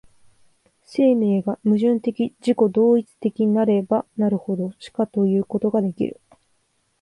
生命が矛盾的自己同一的なればなるほどしかいうことができる。